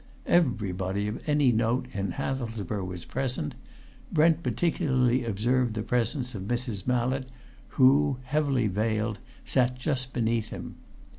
Everybody of any note in Hathelsborough was present; Brent particularly observed the presence of Mrs. Mallett who, heavily veiled, sat just beneath him.